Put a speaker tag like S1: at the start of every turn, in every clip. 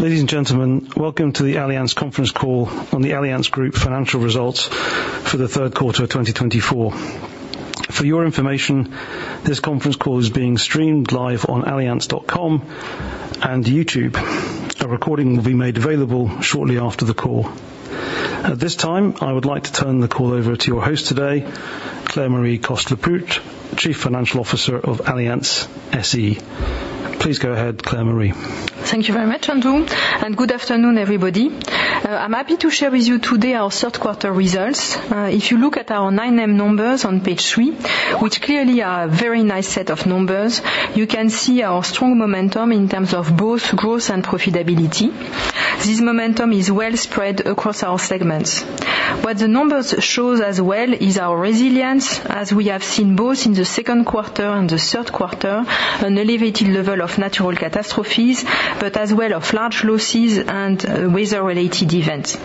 S1: Ladies and gentlemen, welcome to the Allianz Conference Call on the Allianz Group financial results for the third quarter of 2024. For your information, this conference call is being streamed live on allianz.com and YouTube. A recording will be made available shortly after the call. At this time, I would like to turn the call over to your host today, Claire-Marie Coste-Lepoutre, Chief Financial Officer of Allianz SE. Please go ahead, Claire-Marie.
S2: Thank you very much, Andrew, and good afternoon, everybody. I'm happy to share with you today our third quarter results. If you look at our 9M numbers on page three, which clearly are a very nice set of numbers, you can see our strong momentum in terms of both growth and profitability. This momentum is well spread across our segments. What the numbers show as well is our resilience, as we have seen both in the second quarter and the third quarter, an elevated level of natural catastrophes, but as well as large losses and weather-related events.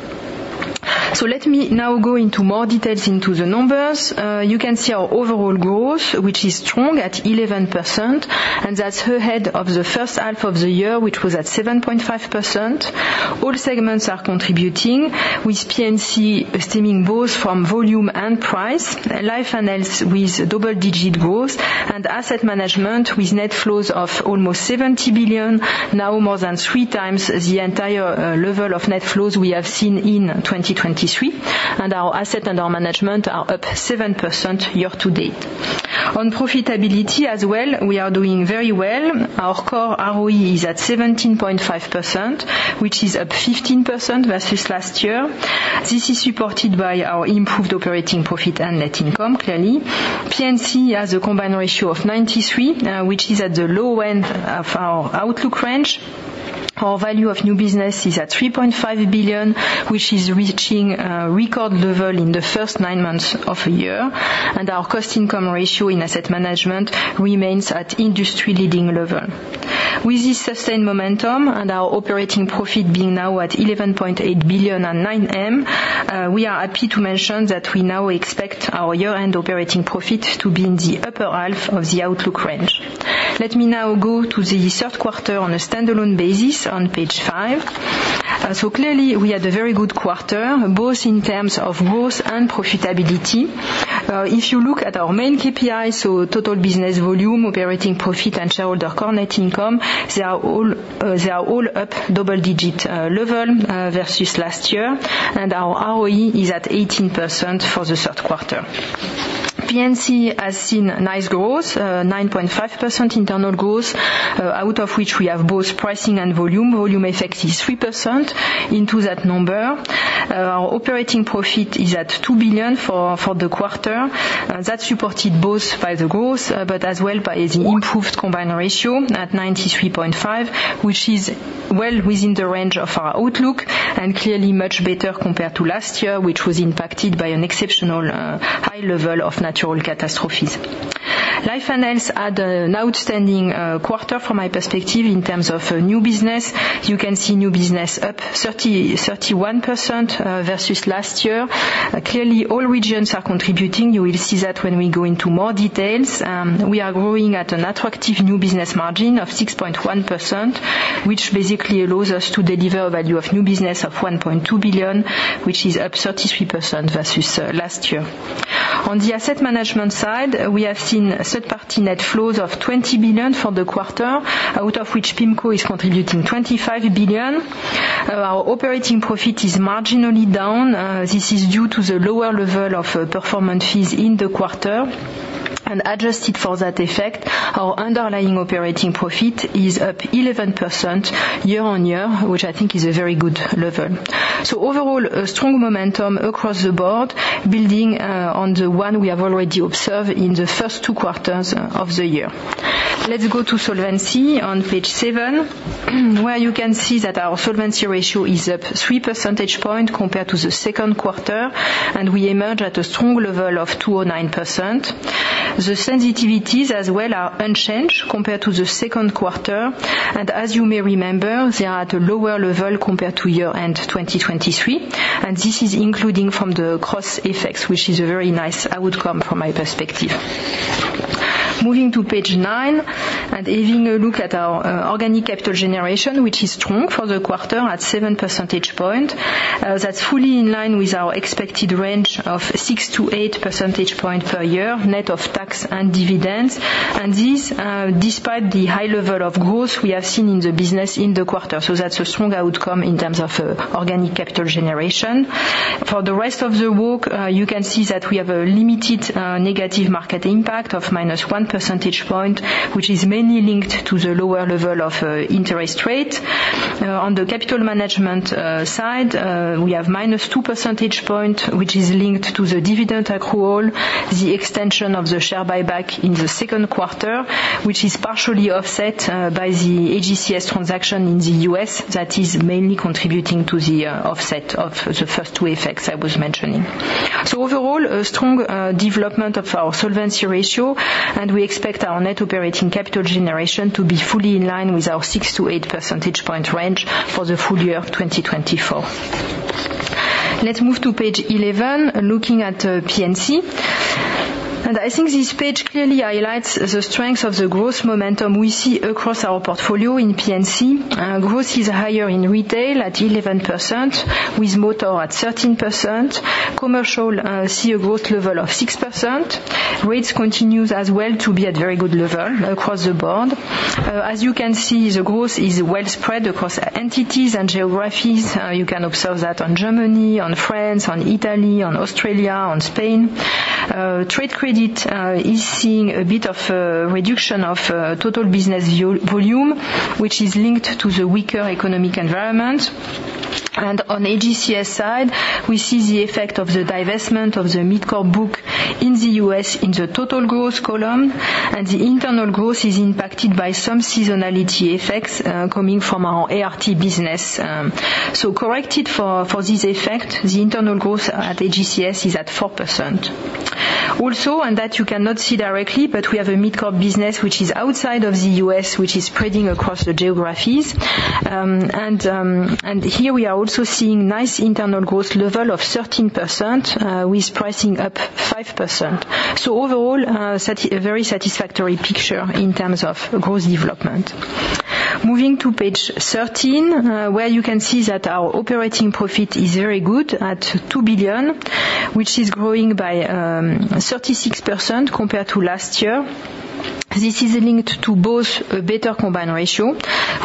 S2: So let me now go into more details into the numbers. You can see our overall growth, which is strong at 11%, and that's ahead of the first half of the year, which was at 7.5%. All segments are contributing, with P&C stemming both from volume and price, life and health with double-digit growth, and asset management with net flows of almost 70 billion, now more than three times the entire level of net flows we have seen in 2023. Our assets under management are up 7% year to date. On profitability as well, we are doing very well. Our core ROE is at 17.5%, which is up 15% versus last year. This is supported by our improved operating profit and net income, clearly. P&C has a combined ratio of 93%, which is at the low end of our outlook range. Our value of new business is at 3.5 billion, which is reaching a record level in the first nine months of the year. Our cost-income ratio in asset management remains at industry-leading level. With this sustained momentum and our operating profit being now at 11.8 billion and 9M, we are happy to mention that we now expect our year-end operating profit to be in the upper half of the outlook range. Let me now go to the third quarter on a standalone basis on page five. So clearly, we had a very good quarter, both in terms of growth and profitability. If you look at our main KPIs, so total business volume, operating profit, and shareholder core net income, they are all up double-digit level versus last year, and our ROE is at 18% for the third quarter. P&C has seen nice growth, 9.5% internal growth, out of which we have both pricing and volume. Volume effect is 3%. Into that number, our operating profit is at 2 billion for the quarter. That's supported both by the growth, but as well by the improved combined ratio at 93.5%, which is well within the range of our outlook and clearly much better compared to last year, which was impacted by an exceptional high level of natural catastrophes. Life and health had an outstanding quarter from my perspective in terms of new business. You can see new business up 31% versus last year. Clearly, all regions are contributing. You will see that when we go into more details. We are growing at an attractive new business margin of 6.1%, which basically allows us to deliver a value of new business of 1.2 billion, which is up 33% versus last year. On the asset management side, we have seen third-party net flows of 20 billion for the quarter, out of which PIMCO is contributing 25 billion. Our operating profit is marginally down. This is due to the lower level of performance fees in the quarter, and adjusted for that effect, our underlying operating profit is up 11% year on year, which I think is a very good level, so overall, a strong momentum across the board, building on the one we have already observed in the first two quarters of the year. Let's go to solvency on page seven, where you can see that our solvency ratio is up 3 percentage points compared to the second quarter, and we emerge at a strong level of 209%. The sensitivities as well are unchanged compared to the second quarter, and as you may remember, they are at a lower level compared to year-end 2023, and this is including from the cross effects, which is a very nice outcome from my perspective. Moving to page nine and having a look at our organic capital generation, which is strong for the quarter at 7 percentage points, that's fully in line with our expected range of 6-8 percentage points per year, net of tax and dividends. This, despite the high level of growth we have seen in the business in the quarter, so that's a strong outcome in terms of organic capital generation. For the rest of the work, you can see that we have a limited negative market impact of -1 percentage point, which is mainly linked to the lower level of interest rate. On the capital management side, we have -2 percentage points, which is linked to the dividend accrual, the extension of the share buyback in the second quarter, which is partially offset by the AGCS transaction in the U.S. that is mainly contributing to the offset of the first two effects I was mentioning. So overall, a strong development of our solvency ratio, and we expect our net operating capital generation to be fully in line with our 6-8 percentage point range for the full year of 2024. Let's move to page 11, looking at P&C. And I think this page clearly highlights the strength of the growth momentum we see across our portfolio in P&C. Growth is higher in retail at 11%, with motor at 13%. Commercial sees a growth level of 6%. Rates continue as well to be at very good level across the board. As you can see, the growth is well spread across entities and geographies. You can observe that on Germany, on France, on Italy, on Australia, on Spain. Trade credit is seeing a bit of a reduction of total business volume, which is linked to the weaker economic environment, and on AGCS side, we see the effect of the divestment of the MidCorp book in the U.S. in the total growth column, and the internal growth is impacted by some seasonality effects coming from our ART business. So corrected for this effect, the internal growth at AGCS is at 4%. Also, and that you cannot see directly, but we have a MidCorp business which is outside of the U.S., which is spreading across the geographies, and here we are also seeing nice internal growth level of 13%, with pricing up 5%. So overall, a very satisfactory picture in terms of growth development. Moving to page 13, where you can see that our operating profit is very good at 2 billion, which is growing by 36% compared to last year. This is linked to both a better combined ratio,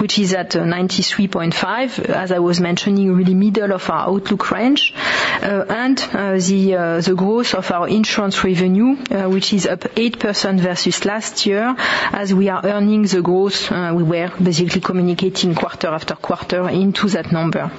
S2: which is at 93.5%, as I was mentioning, really middle of our outlook range, and the growth of our insurance revenue, which is up 8% versus last year, as we are earning the growth we were basically communicating quarter after quarter into that number.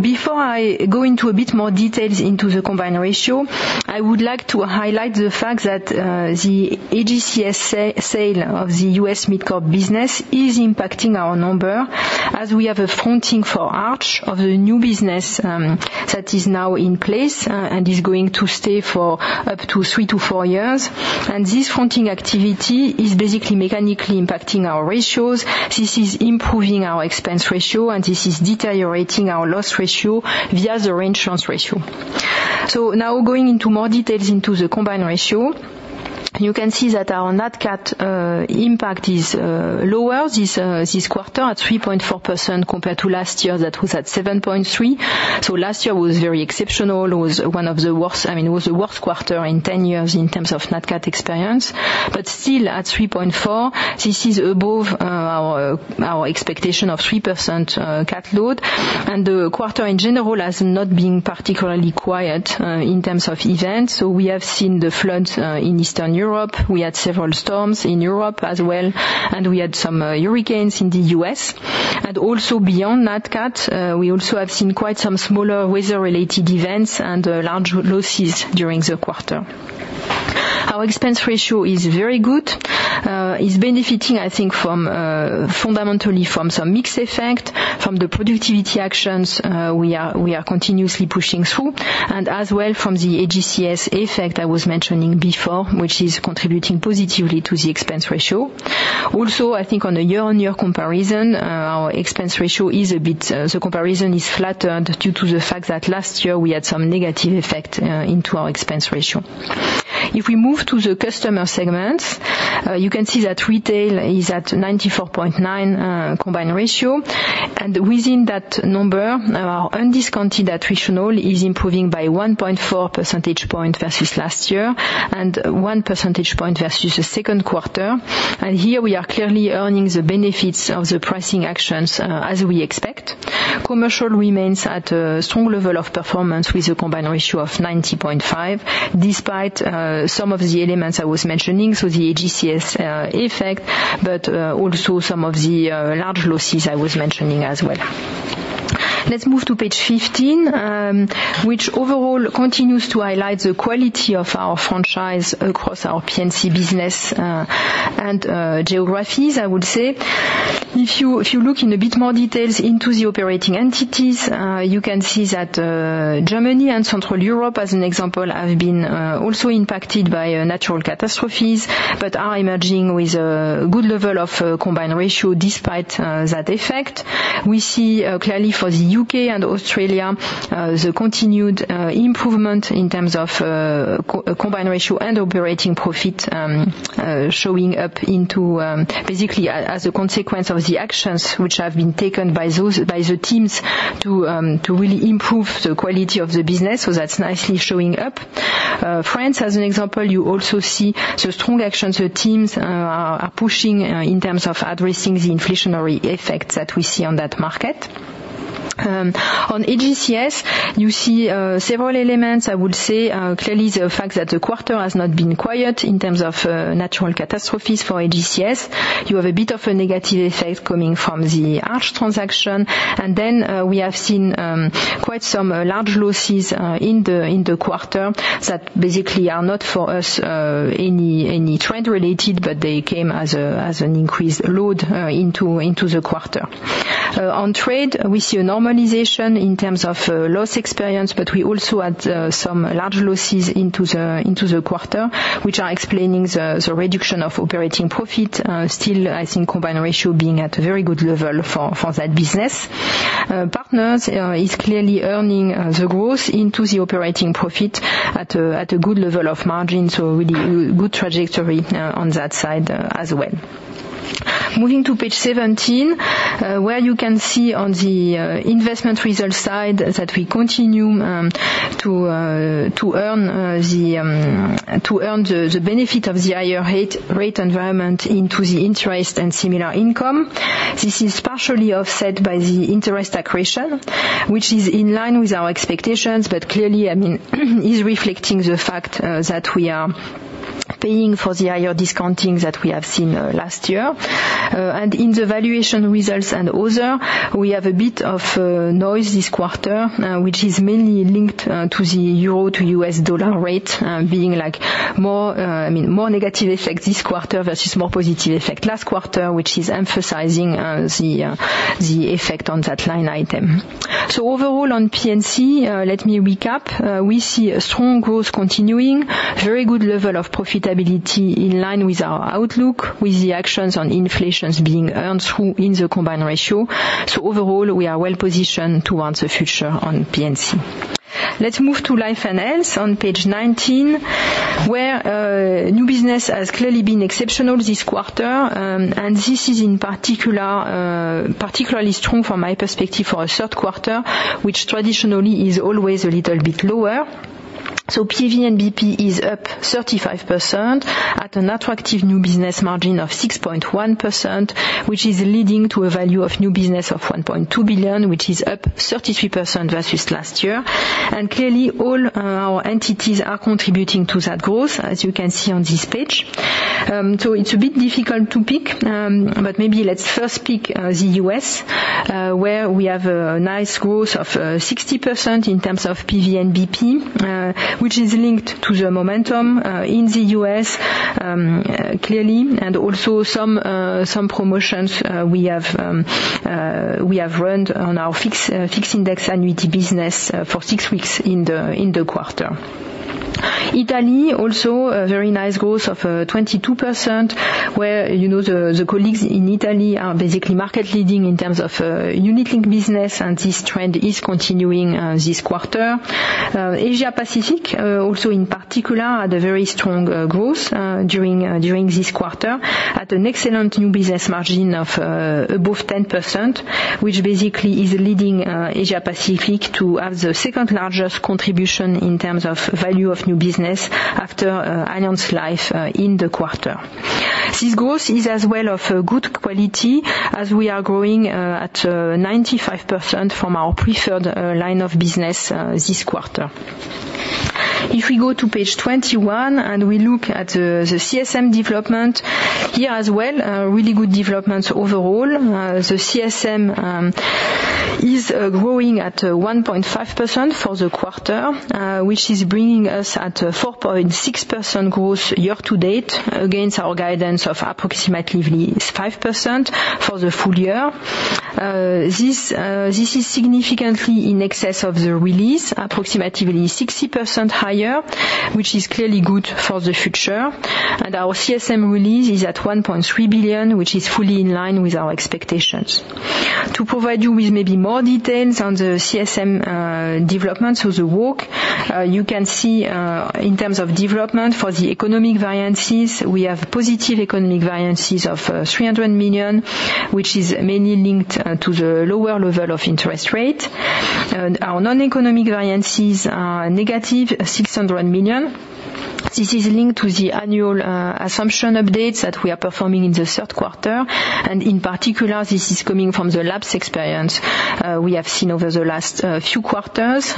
S2: Before I go into a bit more details into the combined ratio, I would like to highlight the fact that the AGCS sale of the U.S. MidCorp business is impacting our number, as we have a fronting for Arch of the new business that is now in place and is going to stay for up to three to four years. And this fronting activity is basically mechanically impacting our ratios. This is improving our expense ratio, and this is deteriorating our loss ratio via the reinsurance ratio. Now going into more details into the combined ratio, you can see that our NatCat impact is lower this quarter at 3.4% compared to last year that was at 7.3%. Last year was very exceptional. It was one of the worst, I mean, it was the worst quarter in 10 years in terms of NatCat experience. But still at 3.4, this is above our expectation of 3% Cat load. The quarter in general has not been particularly quiet in terms of events. We have seen the floods in Eastern Europe. We had several storms in Europe as well, and we had some hurricanes in the U.S. Also beyond NatCat, we also have seen quite some smaller weather-related events and large losses during the quarter. Our expense ratio is very good. It's benefiting, I think, fundamentally from some mixed effect from the productivity actions we are continuously pushing through, and as well from the AGCS effect I was mentioning before, which is contributing positively to the expense ratio. Also, I think on a year-on-year comparison, our expense ratio is a bit, the comparison is flattered due to the fact that last year we had some negative effect into our expense ratio. If we move to the customer segments, you can see that retail is at 94.9 combined ratio. Within that number, our undiscounted attritional is improving by 1.4 percentage points versus last year and one percentage point versus the second quarter. Here we are clearly earning the benefits of the pricing actions as we expect. Commercial remains at a strong level of performance with a combined ratio of 90.5, despite some of the elements I was mentioning, so the AGCS effect, but also some of the large losses I was mentioning as well. Let's move to page 15, which overall continues to highlight the quality of our franchise across our P&C business and geographies, I would say. If you look in a bit more details into the operating entities, you can see that Germany and Central Europe, as an example, have been also impacted by natural catastrophes, but are emerging with a good level of combined ratio despite that effect. We see clearly for the U.K and Australia the continued improvement in terms of combined ratio and operating profit showing up into basically as a consequence of the actions which have been taken by the teams to really improve the quality of the business, so that's nicely showing up. France, as an example, you also see the strong actions the teams are pushing in terms of addressing the inflationary effects that we see on that market. On AGCS, you see several elements, I would say, clearly the fact that the quarter has not been quiet in terms of natural catastrophes for AGCS. You have a bit of a negative effect coming from the Arch transaction. And then we have seen quite some large losses in the quarter that basically are not for us any trend-related, but they came as an increased load into the quarter. On trade, we see a normalization in terms of loss experience, but we also had some large losses into the quarter, which are explaining the reduction of operating profit. Still, I think combined ratio being at a very good level for that business. Partners is clearly earning the growth into the operating profit at a good level of margin, so really good trajectory on that side as well. Moving to page 17, where you can see on the investment result side that we continue to earn the benefit of the higher rate environment into the interest and similar income. This is partially offset by the interest accretion, which is in line with our expectations, but clearly, I mean, is reflecting the fact that we are paying for the higher discounting that we have seen last year, and in the valuation results and other, we have a bit of noise this quarter, which is mainly linked to the euro to U.S. dollar rate being like more, I mean, more negative effect this quarter versus more positive effect last quarter, which is emphasizing the effect on that line item, so overall on P&C, let me recap. We see a strong growth continuing, very good level of profitability in line with our outlook, with the actions on inflation being earned through in the combined ratio, so overall, we are well positioned towards the future on P&C. Let's move to life and health on page 19, where new business has clearly been exceptional this quarter, and this is particularly strong from my perspective for a third quarter, which traditionally is always a little bit lower. So PVNBP is up 35% at an attractive new business margin of 6.1%, which is leading to a value of new business of 1.2 billion, which is up 33% versus last year. And clearly, all our entities are contributing to that growth, as you can see on this page. So it's a bit difficult to pick, but maybe let's first pick the US, where we have a nice growth of 60% in terms of PVNBP, which is linked to the momentum in the U.S. clearly, and also some promotions we have earned on our fixed index annuity business for six weeks in the quarter. Italy also a very nice growth of 22%, where the colleagues in Italy are basically market-leading in terms of unit-linked business, and this trend is continuing this quarter. Asia-Pacific, also in particular, had a very strong growth during this quarter at an excellent new business margin of above 10%, which basically is leading Asia-Pacific to have the second largest contribution in terms of value of new business after Allianz Life in the quarter. This growth is as well of good quality, as we are growing at 95% from our preferred line of business this quarter. If we go to page 21 and we look at the CSM development here as well, really good developments overall. The CSM is growing at 1.5% for the quarter, which is bringing us at 4.6% growth year to date, against our guidance of approximately 5% for the full year. This is significantly in excess of the release, approximately 60% higher, which is clearly good for the future, and our CSM release is at 1.3 billion, which is fully in line with our expectations. To provide you with maybe more details on the CSM developments overall, you can see in terms of development for the economic variances, we have positive economic variances of 300 million, which is mainly linked to the lower level of interest rate. Our non-economic variances are negative 600 million. This is linked to the annual assumption updates that we are performing in the third quarter, and in particular, this is coming from the lapse experience we have seen over the last few quarters.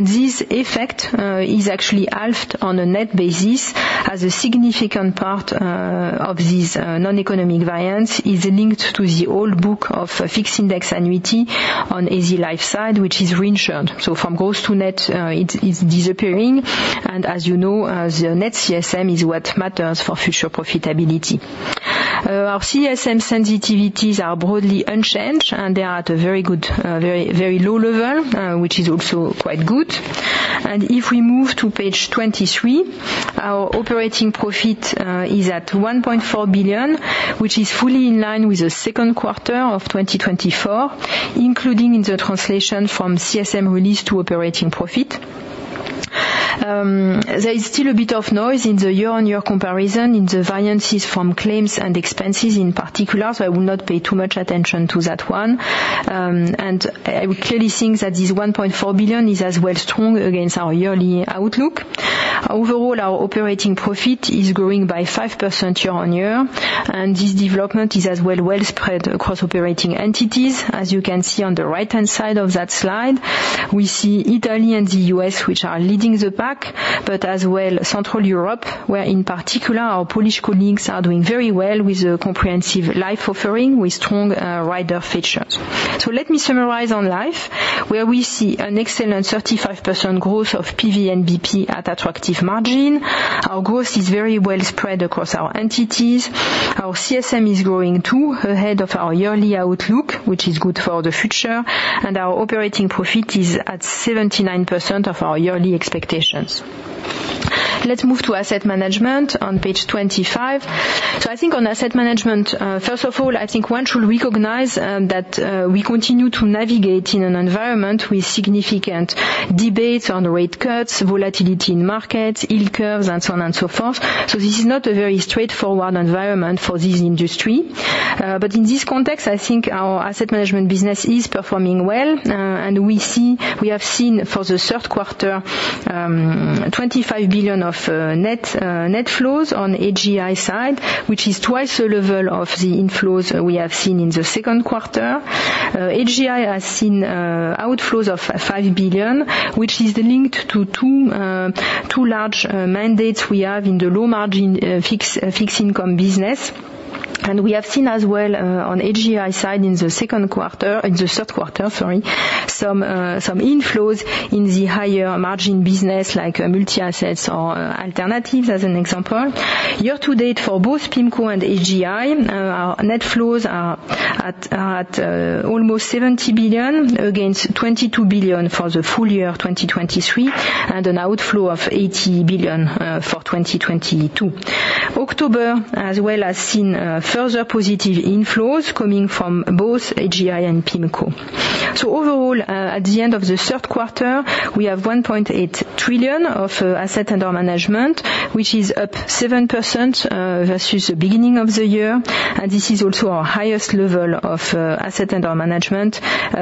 S2: This effect is actually halved on a net basis, as a significant part of these non-economic variances is linked to the old book of fixed index annuity on AZ Life side, which is reinsured. From gross to net, it's disappearing. As you know, the net CSM is what matters for future profitability. Our CSM sensitivities are broadly unchanged, and they are at a very good, very low level, which is also quite good. If we move to page 23, our operating profit is at 1.4 billion, which is fully in line with the second quarter of 2024, including in the translation from CSM release to operating profit. There is still a bit of noise in the year-on-year comparison in the variances from claims and expenses in particular, so I will not pay too much attention to that one. I would clearly think that this 1.4 billion is as well strong against our yearly outlook. Overall, our operating profit is growing by 5% year-on-year, and this development is as well spread across operating entities. As you can see on the right-hand side of that slide, we see Italy and the US, which are leading the pack, but as well Central Europe, where in particular our Polish colleagues are doing very well with the comprehensive life offering with strong rider features. So let me summarize on life, where we see an excellent 35% growth of PVNBP at attractive margin. Our growth is very well spread across our entities. Our CSM is growing too ahead of our yearly outlook, which is good for the future. And our operating profit is at 79% of our yearly expectations. Let's move to asset management on page 25. So I think on asset management, first of all, I think one should recognize that we continue to navigate in an environment with significant debates on rate cuts, volatility in markets, yield curves, and so on and so forth. So this is not a very straightforward environment for this industry. But in this context, I think our asset management business is performing well. And we have seen for the third quarter 25 billion of net flows on AGI side, which is twice the level of the inflows we have seen in the second quarter. AGI has seen outflows of 5 billion, which is linked to two large mandates we have in the low-margin fixed income business. And we have seen as well on AGI side in the second quarter, in the third quarter, sorry, some inflows in the higher margin business, like multi-assets or alternatives as an example. Year to date for both PIMCO and AGI, our net flows are at almost 70 billion against 22 billion for the full year 2023, and an outflow of 80 billion for 2022. October, as well, has seen further positive inflows coming from both AGI and PIMCO. So overall, at the end of the third quarter, we have 1.8 trillion of assets under management, which is up 7% versus the beginning of the year. And this is also our highest level of assets under management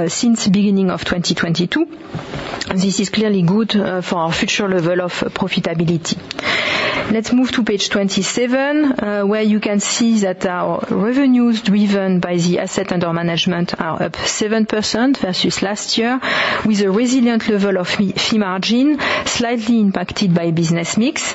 S2: since the beginning of 2022. This is clearly good for our future level of profitability. Let's move to page 27, where you can see that our revenues driven by the assets under management are up 7% versus last year, with a resilient level of fee margin, slightly impacted by business mix.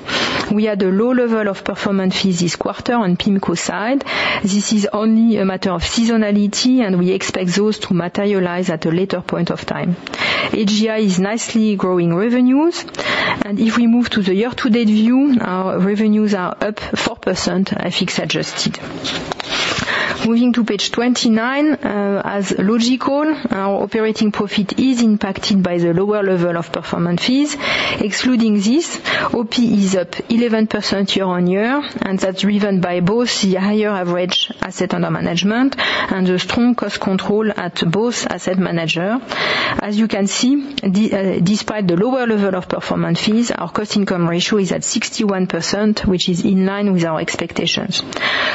S2: We had a low level of performance fees this quarter on PIMCO side. This is only a matter of seasonality, and we expect those to materialize at a later point of time. AGI is nicely growing revenues. If we move to the year-to-date view, our revenues are up 4%, FX adjusted. Moving to page 29, as logical, our operating profit is impacted by the lower level of performance fees. Excluding this, OP is up 11% year-on-year, and that's driven by both the higher average assets under management and the strong cost control at both asset managers. As you can see, despite the lower level of performance fees, our cost-income ratio is at 61%, which is in line with our expectations.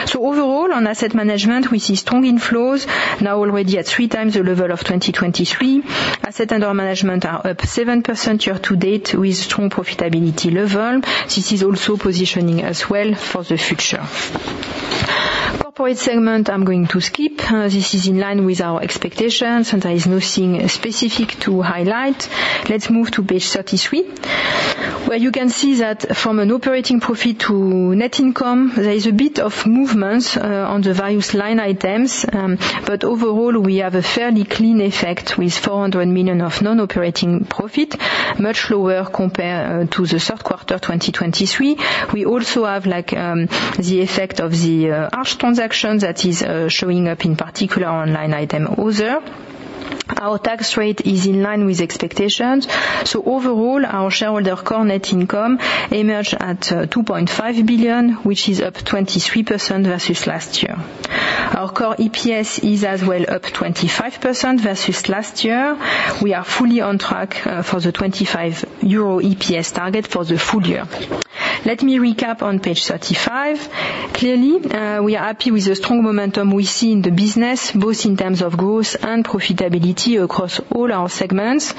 S2: So overall, on asset management, we see strong inflows, now already at three times the level of 2023. Assets under management are up 7% year to date with strong profitability level. This is also positioning us well for the future. Corporate segment, I'm going to skip. This is in line with our expectations, and there is nothing specific to highlight. Let's move to page 33, where you can see that from an operating profit to net income, there is a bit of movement on the various line items, but overall, we have a fairly clean effect with 400 million of non-operating profit, much lower compared to the third quarter 2023. We also have the effect of the Arch transactions that is showing up in particular on line item other. Our tax rate is in line with expectations. Overall, our shareholder core net income emerged at 2.5 billion, which is up 23% versus last year. Our core EPS is as well up 25% versus last year. We are fully on track for the 25 euro EPS target for the full year. Let me recap on page 35. Clearly, we are happy with the strong momentum we see in the business, both in terms of growth and profitability across all our segments.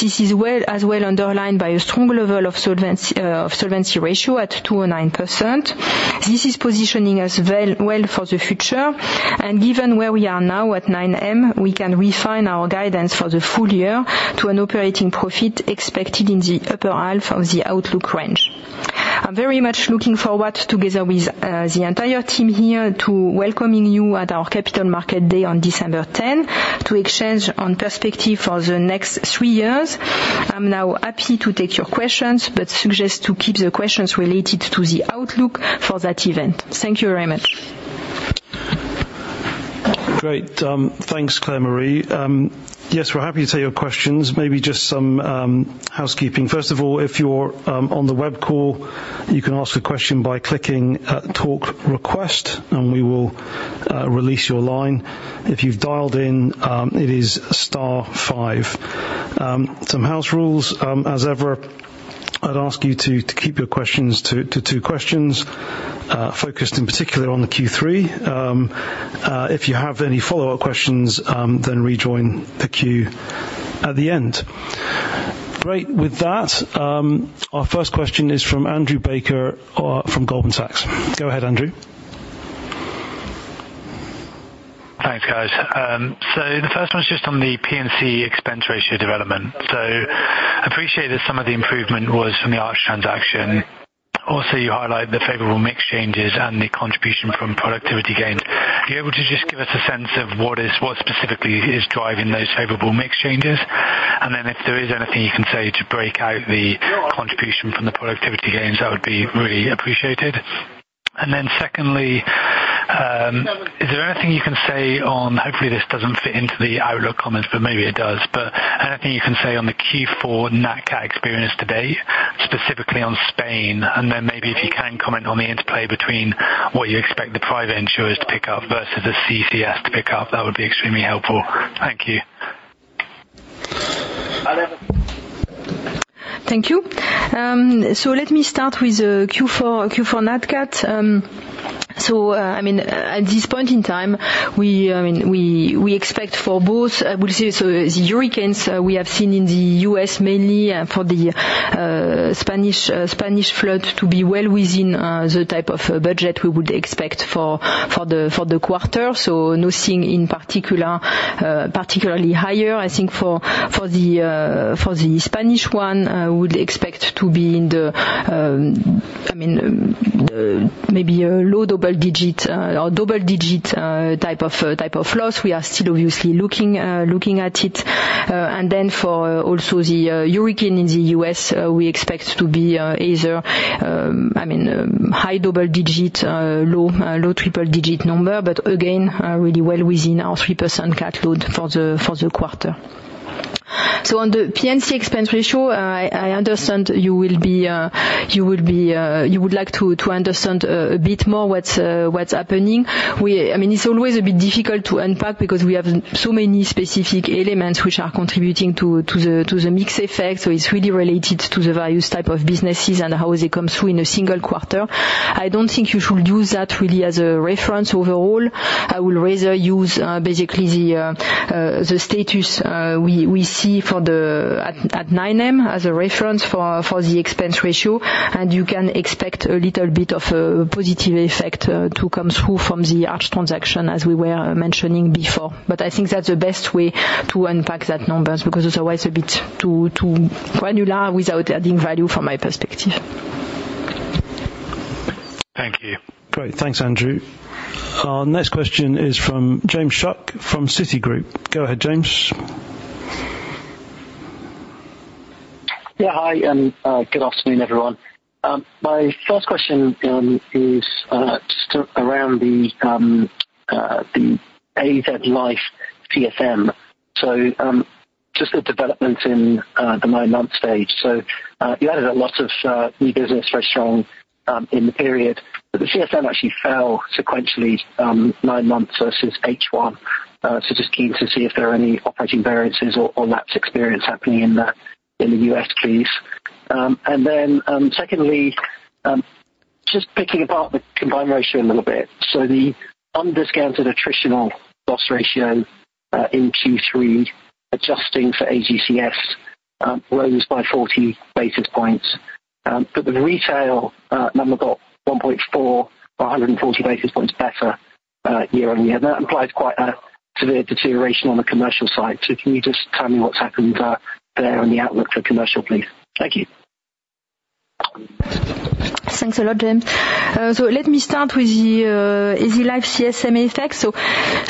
S2: This is as well underlined by a strong level of solvency ratio at 209%. This is positioning us well for the future. And given where we are now at 9M, we can refine our guidance for the full year to an operating profit expected in the upper half of the outlook range. I'm very much looking forward, together with the entire team here, to welcoming you at our Capital Markets Day on December 10, to exchange on perspective for the next three years. I'm now happy to take your questions, but suggest to keep the questions related to the outlook for that event. Thank you very much. Great.
S1: Thanks, Claire-Marie. Yes, we're happy to take your questions. Maybe just some housekeeping. First of all, if you're on the Webcall, you can ask a question by clicking Talk Request, and we will release your line. If you've dialed in, it is star five. Some house rules. As ever, I'd ask you to keep your questions to two questions, focused in particular on the Q3. If you have any follow-up questions, then rejoin the queue at the end. Great. With that, our first question is from Andrew Baker from Goldman Sachs. Go ahead, Andrew.
S3: Thanks, guys. So the first one is just on the P&C expense ratio development. So I appreciate that some of the improvement was from the Arch transaction. Also, you highlight the favorable mix changes and the contribution from productivity gains. Are you able to just give us a sense of what specifically is driving those favorable mix changes? Then if there is anything you can say to break out the contribution from the productivity gains, that would be really appreciated. Then secondly, is there anything you can say on, hopefully, this doesn't fit into the outlook comments, but maybe it does, but anything you can say on the Q4 NatCat experience to date, specifically on Spain? Then maybe if you can comment on the interplay between what you expect the private insurers to pick up versus the CCS to pick up, that would be extremely helpful. Thank you.
S2: Thank you. Let me start with Q4 NatCat. I mean, at this point in time, we expect for both, we'll see. The hurricanes we have seen in the U.S., mainly for the Spanish flood, to be well within the type of budget we would expect for the quarter. Nothing particularly higher. I think for the Spanish one, we would expect to be in the—I mean, maybe a low double digit or double digit type of loss. We are still obviously looking at it, and then for also the hurricane in the U.S., we expect to be either—I mean, high double digit, low triple digit number, but again, really well within our 3% Cat load for the quarter, so on the P&C expense ratio, I understand you will be—you would like to understand a bit more what's happening. I mean, it's always a bit difficult to unpack because we have so many specific elements which are contributing to the mix effect. It's really related to the various type of businesses and how they come through in a single quarter. I don't think you should use that really as a reference overall. I will rather use basically the status we see at 9M as a reference for the expense ratio, and you can expect a little bit of a positive effect to come through from the Arch transaction, as we were mentioning before. But I think that's the best way to unpack that numbers because otherwise, a bit too granular without adding value from my perspective.
S3: Thank you.
S1: Great. Thanks, Andrew. Our next question is from James Shuck from Citigroup. Go ahead, James.
S4: Yeah, hi, and good afternoon, everyone. My first question is just around the AZ Life CSM. So just the developments in the nine-month stage. So you added a lot of new business, very strong in the period. But the CSM actually fell sequentially nine months versus H1. So just keen to see if there are any operating variances or lapse experience happening in the U.S., please. Secondly, just picking apart the combined ratio a little bit. The undiscounted attritional loss ratio in Q3, adjusting for AGCS, rose by 40 basis points. The retail number got 1.4 or 140 basis points better year on year. That implies quite a severe deterioration on the commercial side. Can you just tell me what's happened there and the outlook for commercial, please? Thank you.
S2: Thanks a lot, James. Let me start with the AZ Life CSM effect.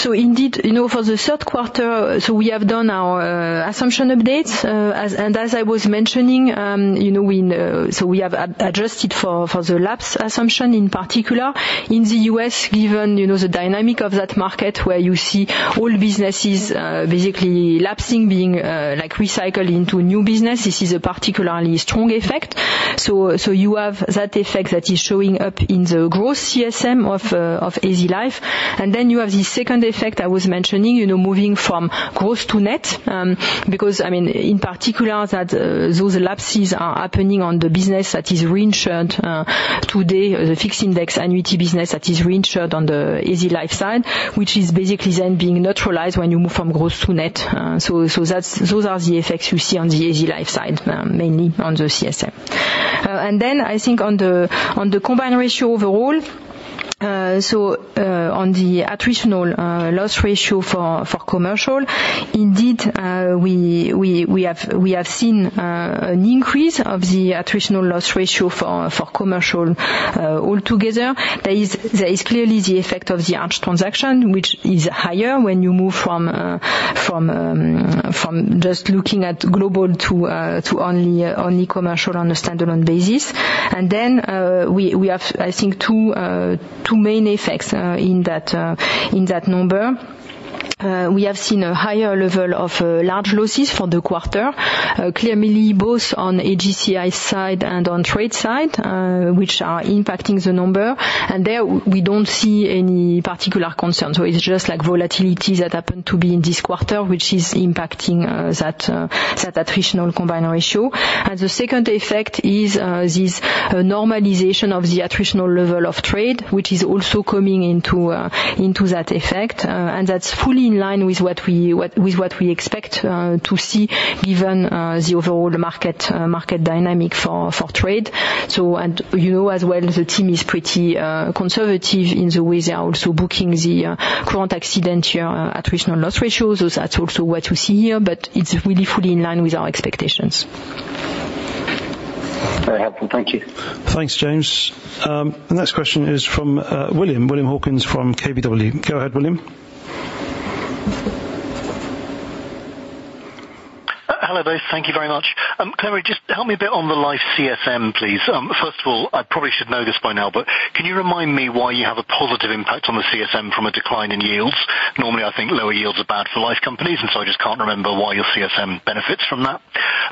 S2: Indeed, for the third quarter, we have done our assumption updates. As I was mentioning, so we have adjusted for the lapse assumption in particular. In the U.S., given the dynamic of that market where you see all businesses basically lapsing, being recycled into new business, this is a particularly strong effect. You have that effect that is showing up in the gross CSM of AZ Life. And then you have the second effect I was mentioning, moving from gross to net. Because, I mean, in particular, those lapses are happening on the business that is reinsured today, the fixed index annuity business that is reinsured on the AZ Life side, which is basically then being neutralized when you move from gross to net. Those are the effects you see on the AZ Life side, mainly on the CSM. And then I think on the combined ratio overall, so on the attritional loss ratio for commercial, indeed, we have seen an increase of the attritional loss ratio for commercial altogether. There is clearly the effect of the Arch transaction, which is higher when you move from just looking at global to only commercial on a standalone basis. And then we have, I think, two main effects in that number. We have seen a higher level of large losses for the quarter, clearly both on AGCS side and on trade side, which are impacting the number. And there, we don't see any particular concerns. So it's just like volatility that happened to be in this quarter, which is impacting that attritional combined ratio. And the second effect is this normalization of the attritional level of trade, which is also coming into that effect. And that's fully in line with what we expect to see given the overall market dynamic for trade. So as well, the team is pretty conservative in the way they are also booking the current accident year attritional loss ratio. So that's also what you see here, but it's really fully in line with our expectations.
S4: Very helpful. Thank you.
S1: Thanks, James. And the next question is from William, William Hawkins from KBW. Go ahead, William.
S5: Hello there. Thank you very much. Claire-Marie, just help me a bit on the life CSM, please. First of all, I probably should know this by now, but can you remind me why you have a positive impact on the CSM from a decline in yields? Normally, I think lower yields are bad for life companies, and so I just can't remember why your CSM benefits from that.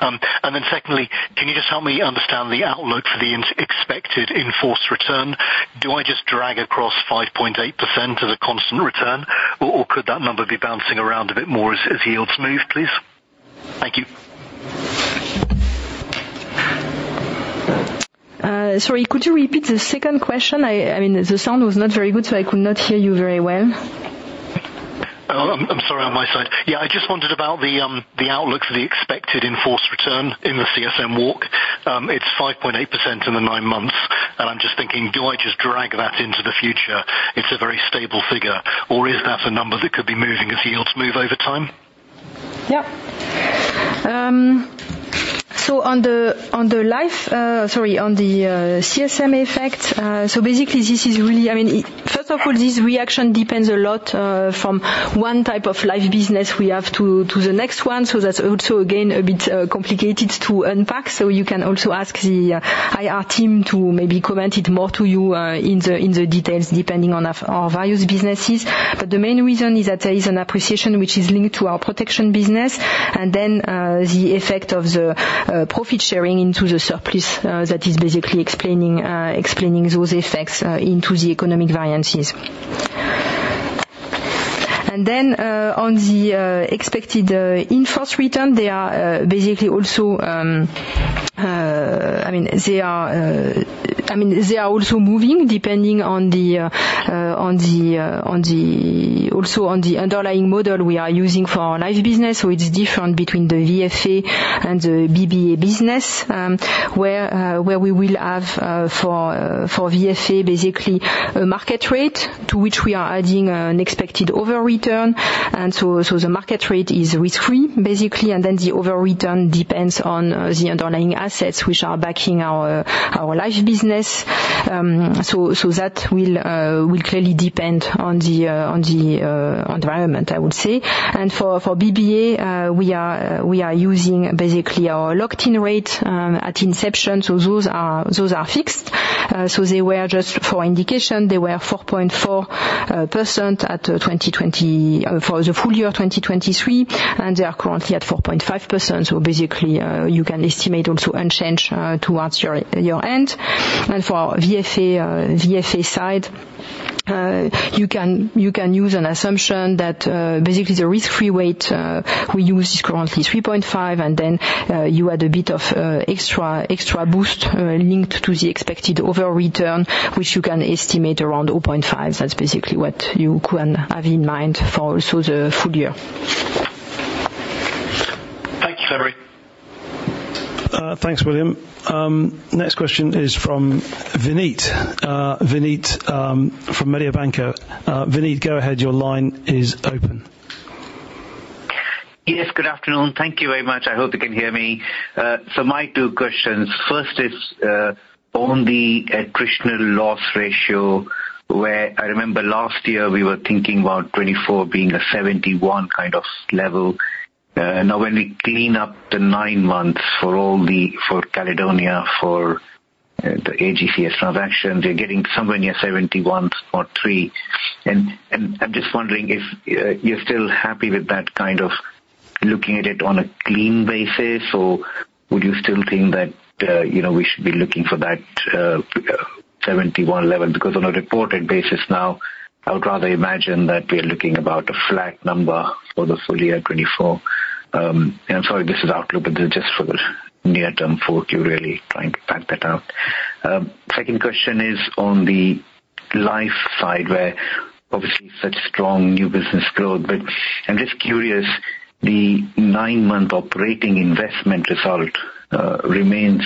S5: And then secondly, can you just help me understand the outlook for the expected earned return? Do I just drag across 5.8% as a constant return, or could that number be bouncing around a bit more as yields move, please? Thank you.
S2: Sorry, could you repeat the second question? I mean, the sound was not very good, so I could not hear you very well.
S5: I'm sorry, on my side. Yeah, I just wondered about the outlook for the expected effective return in the CSM walk. It's 5.8% in the nine months, and I'm just thinking, do I just drag that into the future? It's a very stable figure. Or is that a number that could be moving as yields move over time?
S2: Yep. So on the life-sorry, on the CSM effect-so basically, this is really-I mean, first of all, this reaction depends a lot from one type of life business we have to the next one. So that's also, again, a bit complicated to unpack. So you can also ask the IR team to maybe comment it more to you in the details depending on our various businesses. But the main reason is that there is an appreciation which is linked to our protection business, and then the effect of the profit sharing into the surplus that is basically explaining those effects into the economic variances. And then on the expected in-force return, they are basically also—I mean, they are also moving depending on the underlying model we are using for our life business. So it's different between the VFA and the BBA business, where we will have for VFA basically a market rate to which we are adding an expected overreturn. And so the market rate is risk-free, basically. And then the overreturn depends on the underlying assets which are backing our life business. So that will clearly depend on the environment, I would say. And for BBA, we are using basically our locked-in rate at inception. So those are fixed. So they were just for indication, they were 4.4% for the full year 2023, and they are currently at 4.5%. So basically, you can estimate also unchanged towards your end. And for VFA side, you can use an assumption that basically the risk-free weight we use is currently 3.5, and then you add a bit of extra boost linked to the expected overreturn, which you can estimate around 0.5. That's basically what you can have in mind for also the full year.
S5: Thank you, Claire-Marie.
S1: Thanks, William. Next question is from Vinit. Vinit from Mediobanca. Vinit, go ahead. Your line is open.
S6: Yes, good afternoon. Thank you very much. I hope you can hear me. So my two questions. First is on the attritional loss ratio, where I remember last year we were thinking about 24 being a 71 kind of level. Now, when we clean up the nine months for New Caledonia, for the AGCS transaction, you're getting somewhere near 71 or three. And I'm just wondering if you're still happy with that kind of looking at it on a clean basis, or would you still think that we should be looking for that 71 level? Because on a reported basis now, I would rather imagine that we are looking about a flat number for the full year 2024. And I'm sorry, this is outlook, but this is just for the near-term for you, really, trying to pack that out. Second question is on the life side, where obviously such strong new business growth. But I'm just curious, the nine-month operating investment result remains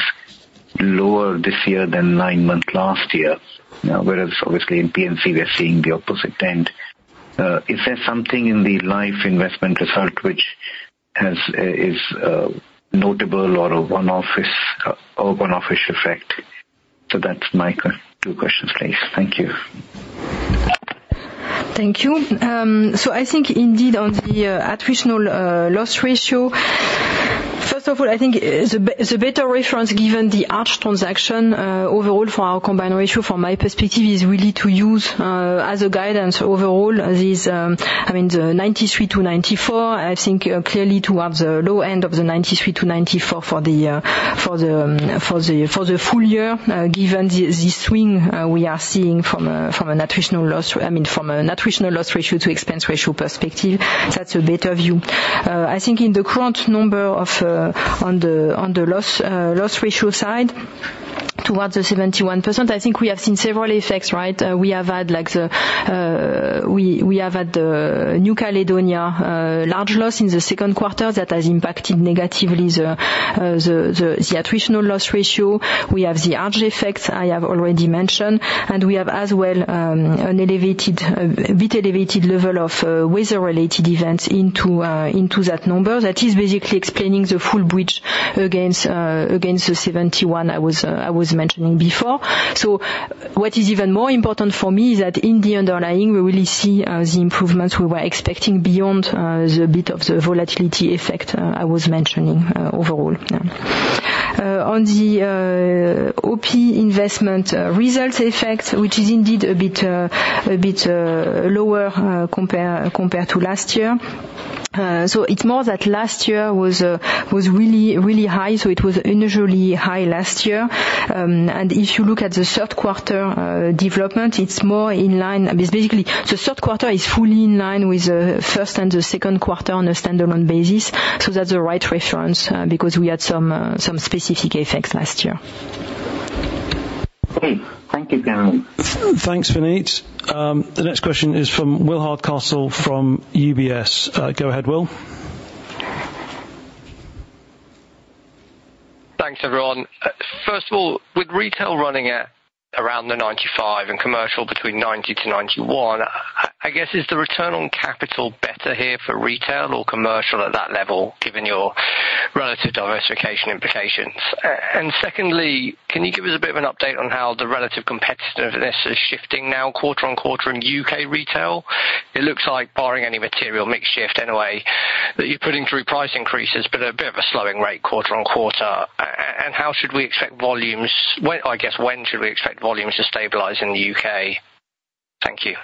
S6: lower this year than nine months last year, whereas obviously in P&C, we're seeing the opposite trend. Is there something in the Life investment result which is notable or a one-off effect? So that's my two questions, please. Thank you.
S2: Thank you. So I think indeed on the attritional loss ratio, first of all, I think the better reference given the Arch transaction overall for our combined ratio, from my perspective, is really to use as a guidance overall, I mean, the 93%-94%. I think clearly towards the low end of the 93%-94% for the full year, given the swing we are seeing from an attritional loss—I mean, from an attritional loss ratio to expense ratio perspective, that's a better view. I think in the current number on the loss ratio side, towards the 71%, I think we have seen several effects, right? We have had the New Caledonia large loss in the second quarter that has impacted negatively the attritional loss ratio. We have the Arch effect, I have already mentioned, and we have as well a bit elevated level of weather-related events into that number. That is basically explaining the full bridge against the 71 I was mentioning before. So what is even more important for me is that in the underlying, we really see the improvements we were expecting beyond the bit of the volatility effect I was mentioning overall. On the OP investment results effect, which is indeed a bit lower compared to last year. So it's more that last year was really high, so it was initially high last year. If you look at the third quarter development, it's more in line, I mean, basically, the third quarter is fully in line with the first and the second quarter on a standalone basis. So that's the right reference because we had some specific effects last year.
S6: Thank you, Claire-Marie.
S1: Thanks, Vinit. The next question is from Will Hardcastle from UBS. Go ahead, Will.
S7: Thanks, everyone. First of all, with retail running at around the 95% and commercial between 90%-91%, I guess, is the return on capital better here for retail or commercial at that level, given your relative diversification implications? And secondly, can you give us a bit of an update on how the relative competitiveness is shifting now quarter on quarter in U.K. retail? It looks like, barring any material mix shift anyway, that you're putting through price increases, but a bit of a slowing rate quarter on quarter. And how should we expect volumes, I guess, when should we expect volumes to stabilize in the U.K.? Thank you.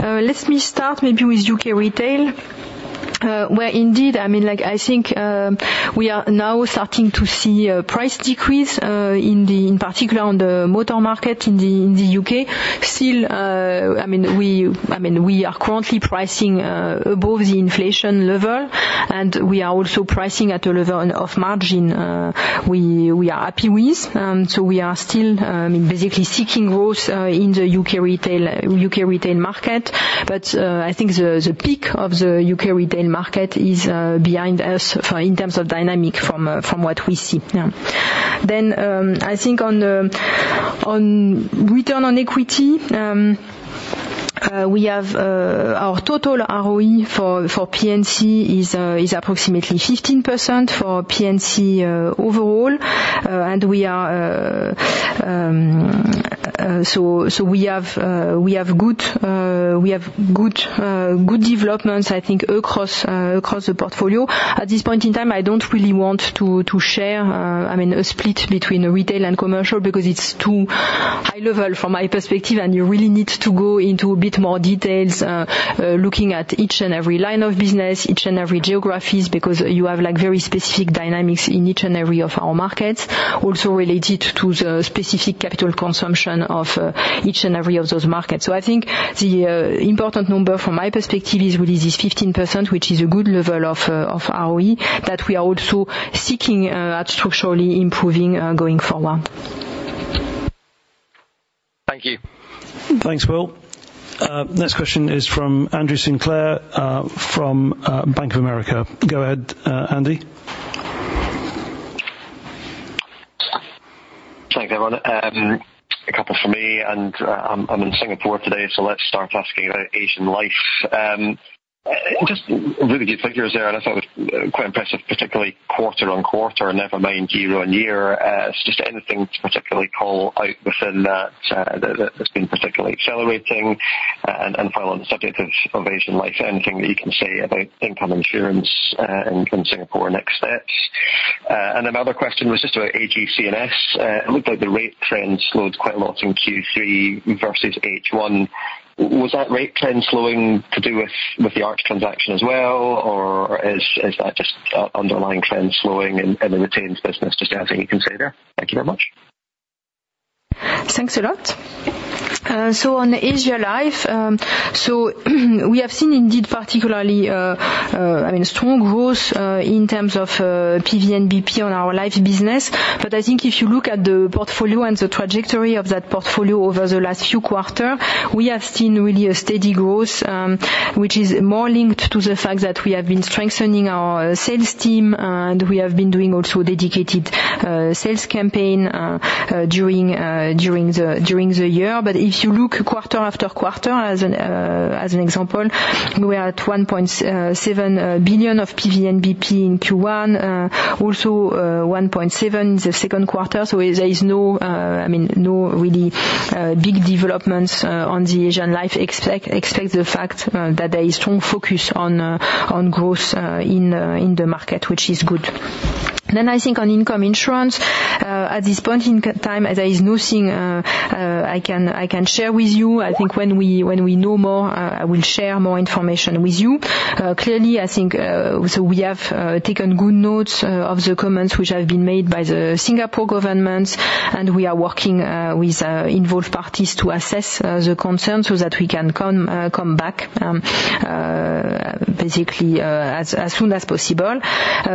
S2: Let me start maybe with U.K. retail, where indeed, I mean, I think we are now starting to see a price decrease, in particular on the motor market in the U.K. Still, I mean, we are currently pricing above the inflation level, and we are also pricing at a level of margin we are happy with. So we are still, I mean, basically seeking growth in the U.K. retail market. But I think the peak of the U.K. retail market is behind us in terms of dynamic from what we see. Then I think on return on equity, we have our total ROE for P&C is approximately 15% for P&C overall. And so we have good developments, I think, across the portfolio. At this point in time, I don't really want to share, I mean, a split between retail and commercial because it's too high level from my perspective, and you really need to go into a bit more details looking at each and every line of business, each and every geographies, because you have very specific dynamics in each and every of our markets, also related to the specific capital consumption of each and every of those markets. So I think the important number from my perspective is really this 15%, which is a good level of ROE that we are also seeking at structurally improving going forward.
S7: Thank you.
S1: Thanks, Will. Next question is from Andrew Sinclair from Bank of America. Go ahead, Andy.
S8: Thanks, everyone. A couple for me, and I'm in Singapore today, so let's start asking about Asian life. Just really good figures there, and I thought it was quite impressive, particularly quarter on quarter, never mind year on year. Just anything to particularly call out within that that's been particularly accelerating? And finally, on the subject of Asian life, anything that you can say about Income Insurance in Singapore next steps? And another question was just about AGCS. It looked like the rate trend slowed quite a lot in Q3 versus H1. Was that rate trend slowing to do with the Arch transaction as well, or is that just underlying trend slowing in the retained business? Just anything you can say there? Thank you very much.
S2: Thanks a lot. So, on the Asia life, we have seen indeed particularly, I mean, strong growth in terms of PVNBP on our life business. But I think if you look at the portfolio and the trajectory of that portfolio over the last few quarters, we have seen really a steady growth, which is more linked to the fact that we have been strengthening our sales team, and we have been doing also dedicated sales campaign during the year. But if you look quarter after quarter, as an example, we were at 1.7 billion of PVNBP in Q1, also 1.7 in the second quarter. So there is no, I mean, no really big developments on the Asian life. Except the fact that there is strong focus on growth in the market, which is good. Then I think on Income Insurance, at this point in time, there is nothing I can share with you. I think when we know more, I will share more information with you. Clearly, I think so we have taken good notes of the comments which have been made by the Singapore government, and we are working with involved parties to assess the concerns so that we can come back basically as soon as possible.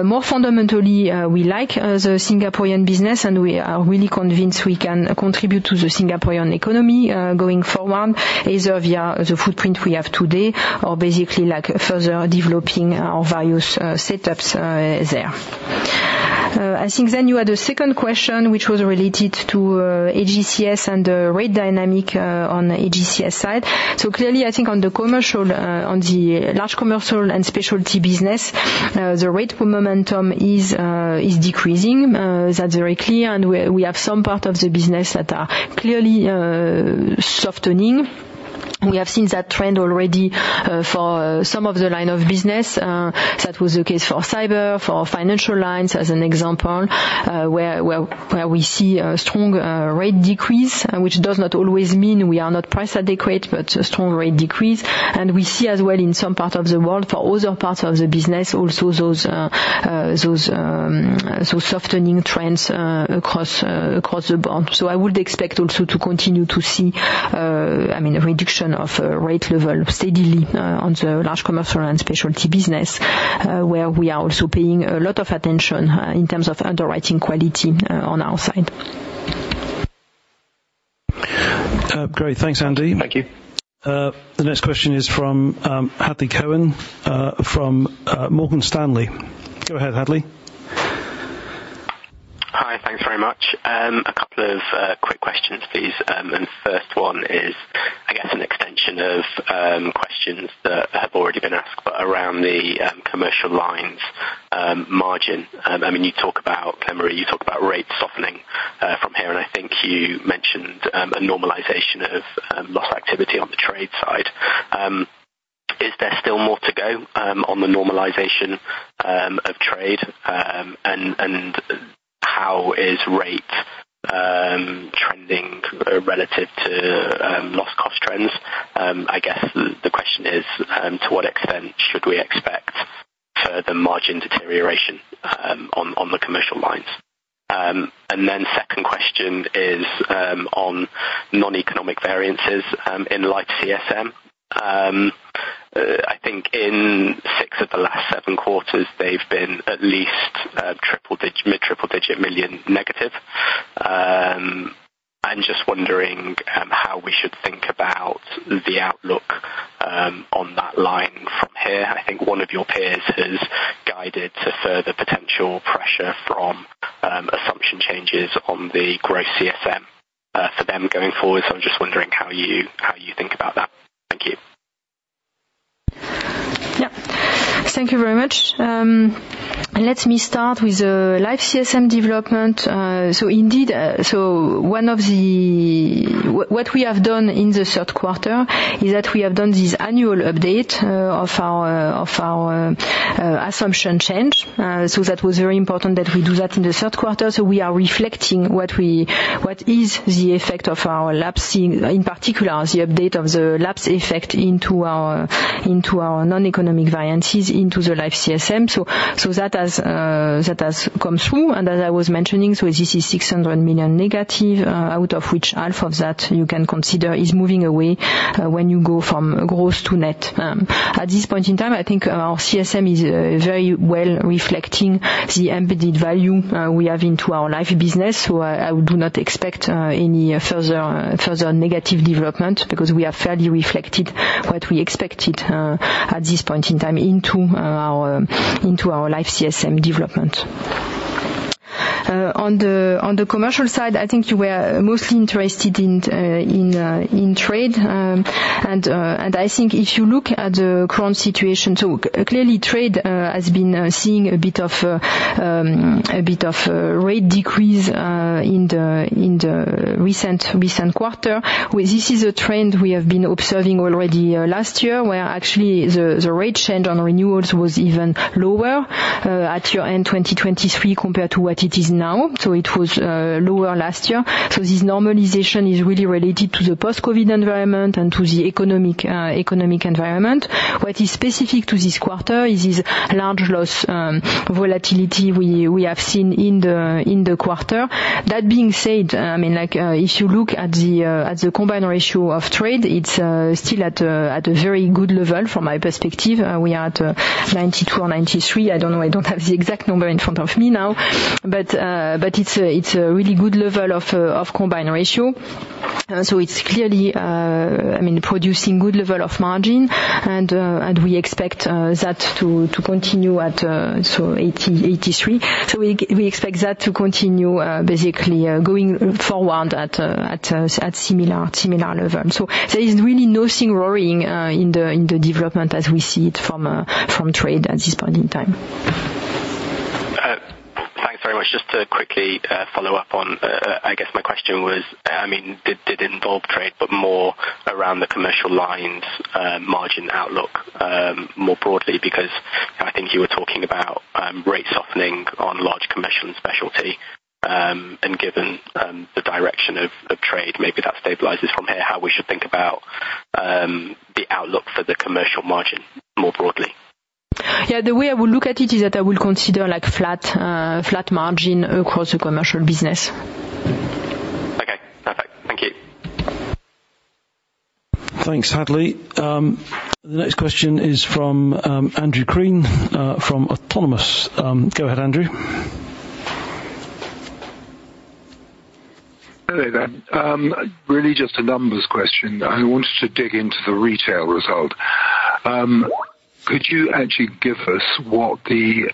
S2: More fundamentally, we like the Singaporean business, and we are really convinced we can contribute to the Singaporean economy going forward, either via the footprint we have today or basically further developing our various setups there. I think then you had a second question which was related to AGCS and the rate dynamic on AGCS side. So clearly, I think on the commercial, on the large commercial and specialty business, the rate momentum is decreasing. That's very clear, and we have some part of the business that are clearly softening. We have seen that trend already for some of the line of business. That was the case for cyber, for financial lines, as an example, where we see a strong rate decrease, which does not always mean we are not price adequate, but a strong rate decrease. And we see as well in some part of the world for other parts of the business, also those softening trends across the board. So I would expect also to continue to see, I mean, a reduction of rate level steadily on the large commercial and specialty business, where we are also paying a lot of attention in terms of underwriting quality on our side.
S1: Great. Thanks, Andy.
S8: Thank you.
S1: The next question is from Hadley Cohen from Morgan Stanley. Go ahead, Hadley.
S9: Hi, thanks very much. A couple of quick questions, please. And the first one is, I guess, an extension of questions that have already been asked, but around the commercial lines margin. I mean, you talk about, Claire-Marie, you talk about rate softening from here, and I think you mentioned a normalization of loss activity on the trade side. Is there still more to go on the normalization of trade, and how is rate trending relative to loss cost trends? I guess the question is, to what extent should we expect further margin deterioration on the commercial lines? And then second question is on non-economic variances in Life CSM. I think in six of the last seven quarters, they've been at least mid-triple-digit million negative. I'm just wondering how we should think about the outlook on that line from here. I think one of your peers has guided to further potential pressure from assumption changes on the gross CSM for them going forward. So I'm just wondering how you think about that. Thank you.
S2: Yep. Thank you very much. Let me start with the Life CSM development. So indeed, one of the what we have done in the third quarter is that we have done this annual update of our assumption change. So that was very important that we do that in the third quarter. So we are reflecting what is the effect of our lapses, in particular, the update of the lapses effect into our non-economic variances into the Life CSM. So that has come through. And as I was mentioning, so this is -600 million, out of which half of that you can consider is moving away when you go from gross to net. At this point in time, I think our CSM is very well reflecting the embedded value we have into our life business. So I do not expect any further negative development because we have fairly reflected what we expected at this point in time into our life CSM development. On the commercial side, I think you were mostly interested in trade. And I think if you look at the current situation, so clearly trade has been seeing a bit of rate decrease in the recent quarter. This is a trend we have been observing already last year, where actually the rate change on renewals was even lower at year-end 2023 compared to what it is now. So it was lower last year. So this normalization is really related to the post-COVID environment and to the economic environment. What is specific to this quarter is this large loss volatility we have seen in the quarter. That being said, I mean, if you look at the combined ratio of trade, it's still at a very good level from my perspective. We are at 92% or 93%. I don't know. I don't have the exact number in front of me now, but it's a really good level of combined ratio. So it's clearly, I mean, producing good level of margin, and we expect that to continue at 83%. So we expect that to continue basically going forward at similar level. So there is really nothing worrying in the development as we see it from trade at this point in time.
S9: Thanks very much. Just to quickly follow up on, I guess my question was, I mean, did it involve trade, but more around the commercial lines margin outlook more broadly? Because I think you were talking about rate softening on large commercial and specialty, and given the direction of trade, maybe that stabilizes from here. How we should think about the outlook for the commercial margin more broadly.
S2: Yeah. The way I will look at it is that I will consider flat margin across the commercial business.
S9: Okay. Perfect. Thank you.
S1: Thanks, Hadley. The next question is from Andrew Crean from Autonomous Research. Go ahead, Andrew.
S10: Hello, then. Really just a numbers question. I wanted to dig into the retail result. Could you actually give us what the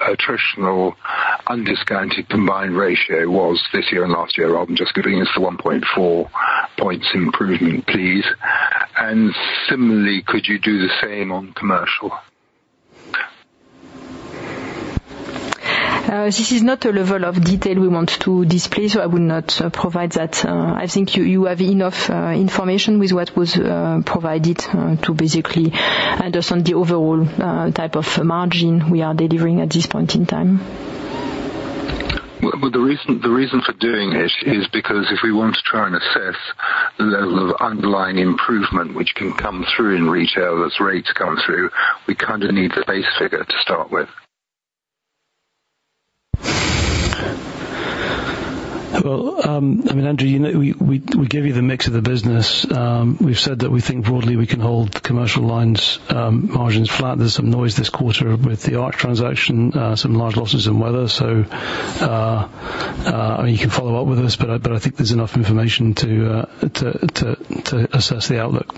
S10: attritional undiscounted combined ratio was this year and last year, rather than just giving us the 1.4 points improvement, please? And similarly, could you do the same on commercial?
S2: This is not a level of detail we want to display, so I will not provide that. I think you have enough information with what was provided to basically understand the overall type of margin we are delivering at this point in time.
S10: The reason for doing this is because if we want to try and assess the level of underlying improvement which can come through in retail as rates come through, we kind of need the base figure to start with.
S1: Well, I mean, Andrew, we gave you the mix of the business. We've said that we think broadly we can hold commercial lines margins flat. There's some noise this quarter with the Arch transaction, some large losses in weather. So I mean, you can follow up with us, but I think there's enough information to assess the outlook.